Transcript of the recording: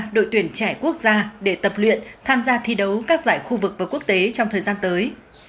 giải quốc gia để tập luyện tham gia thi đấu các giải khu vực và quốc tế trong thời gian tới